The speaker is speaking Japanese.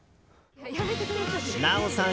奈緒さん